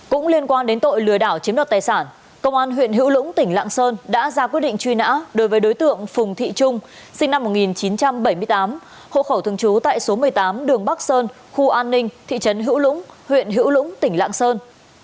cũng liên quan đến tội lừa đảo chiếm đoạt tài sản công an huyện hữu lũng tỉnh lạng sơn đã ra quyết định truy nã đối với đối tượng phùng thị trung sinh năm một nghìn chín trăm bảy mươi tám hộ khẩu thường trú tại số một mươi tám đường bắc sơn khu an ninh thị trấn hữu lũng huyện hữu lũng tỉnh lạng sơn